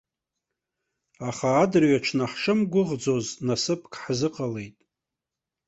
Аха адырҩаҽны ҳшымгәыӷӡоз насыԥк ҳзыҟалеит.